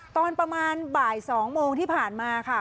ตอนประมาณบ่าย๒โมงที่ผ่านมาค่ะ